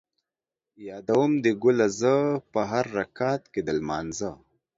یادوم دې ګله زه ـ په هر رکعت کې د لمانځه